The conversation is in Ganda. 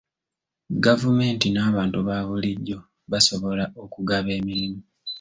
Gavumenti n'abantu ba bulijjo basobola okugaba emirimu.